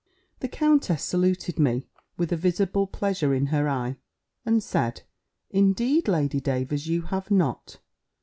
The countess saluted me with a visible pleasure in her eye, and said, "Indeed, Lady Davers, you have not.